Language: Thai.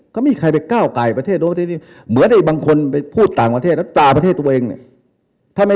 ก็ไม่ดีก็ร่างใหม่อ่ะ